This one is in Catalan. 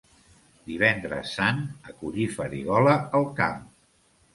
Divendres Sant, a collir farigola al camp.